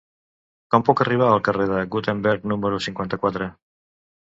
Com puc arribar al carrer de Gutenberg número cinquanta-quatre?